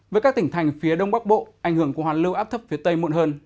với các tỉnh thành phía đông bắc bộ ảnh hưởng của hoàn lưu áp thấp phía tây muộn hơn